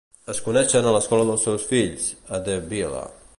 Es coneixen a l'escola dels seus fills a Deauville.